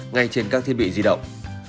ngay trên các thiết bị di động